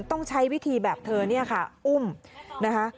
ต้องใช้วิธีแบบเธอเนี่ยค่ะอุ้มนะคะ